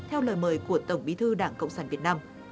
theo lời mời của tổng bí thư đảng cộng sản việt nam